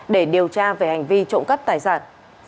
để điều tra về hành vi trộm cắp tài sản